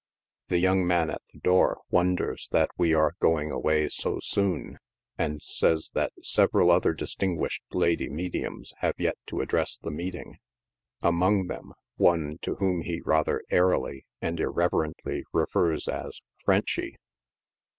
The young man at the door wonders that we are going away so soon, and says that several other distin guished lady mediums have yet to address the meeting — among them one to whom he rather airily and irreverently refers as " Frenchy."